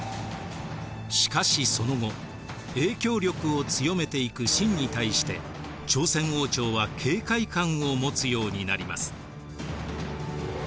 しかしその後影響力を強めていく清に対して朝鮮王朝は警戒感を持つようになります。